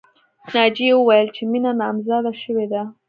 ناجیې وویل چې مینه نامزاده شوې ده